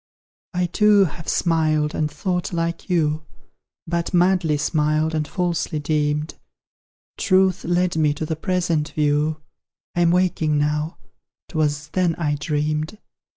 I too have smiled, and thought like you, But madly smiled, and falsely deemed: TRUTH led me to the present view, I'm waking now 'twas THEN I dreamed.